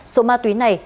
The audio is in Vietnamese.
số ma túy này